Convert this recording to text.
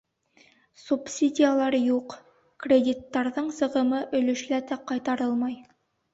Субсидиялар юҡ, кредиттарҙың сығымы өлөшләтә ҡайтарылмай.